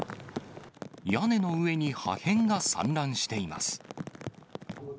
屋根の上に破片が散乱しています。